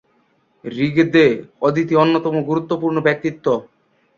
ঋগ্বেদে, অদিতি অন্যতম গুরুত্বপূর্ণ ব্যক্তিত্ব।